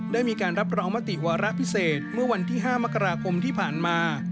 ได้มีการรับรองมติวาระพิเศษเมื่อวันที่๕มกราคมที่ผ่านมา